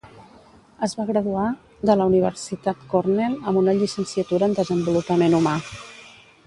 Es va graduar de la Universitat Cornell amb una llicenciatura en Desenvolupament Humà.